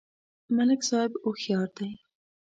ملک صاحب هوښیار دی.